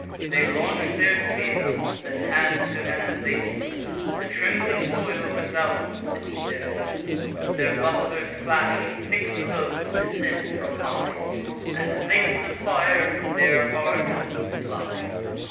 They launch their spears; then hand to hand they meet; The trembling soil resounds beneath their feet: Their bucklers clash; thick blows descend from high, And flakes of fire from their hard helmets fly.